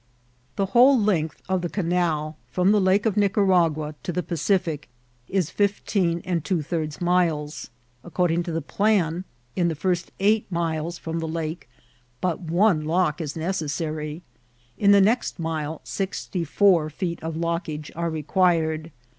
The whole length of the canal from the Lake of Nio s 8 \ I 8» a \ LOGKAOK OP TIB OAKAL. 418 vigna to the Pacific is filtoM and two third milea. According to the plan, in the first eight miles from the lake but one lock is necessary. In the next mile sixty four feet of lockage are required.